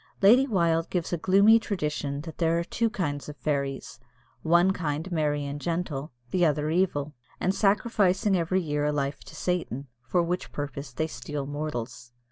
Lady Wilde gives a gloomy tradition that there are two kinds of fairies one kind merry and gentle, the other evil, and sacrificing every year a life to Satan, for which purpose they steal mortals.